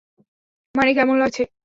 মানে, কেমন লাগছে?